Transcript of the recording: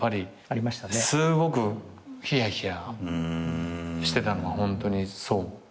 すーごくひやひやしてたのはホントにそう。